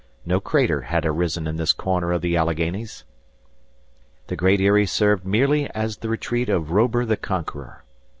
No crater had arisen in this corner of the Alleghanies. The Great Eyrie served merely as the retreat of Robur the Conqueror.